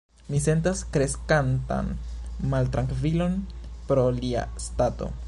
Mi sentas kreskantan maltrankvilon pro lia stato.